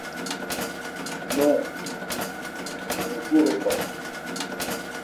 Non !… je ne pourrais pas…